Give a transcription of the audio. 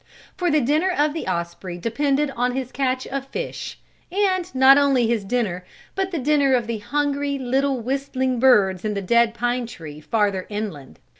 For the dinner of the osprey depended on his catch of fish and, not only his dinner, but the dinner of the hungry, little whistling birds in the dead pine tree farther inland.